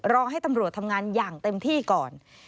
รอให้ตำรวจทำงานอย่างเต็มที่ก่อน